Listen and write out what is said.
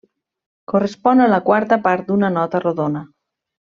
Correspon a la quarta part d'una nota rodona.